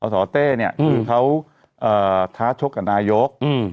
สเต้เนี่ยคือเขาท้าชกกับนายก